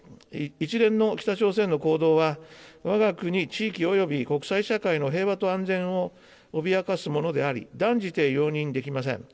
一連の北朝鮮の行動は、わが国地域及び国際社会の平和と安全を脅かすものであり、断じて容認できません。